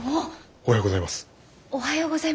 おはようございます。